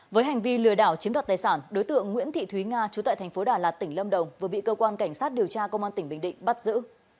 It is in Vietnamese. với hành vi lừa đảo chiếm đoạt tài sản đối tượng nguyễn thị thúy nga trú tại thành phố đà lạt tỉnh lâm đồng vừa bị cơ quan cảnh sát điều tra công an tỉnh bình định bắt giữ